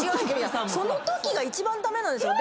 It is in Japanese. そのときが一番駄目なんですよ。